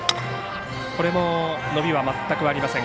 これも伸びは全くありません。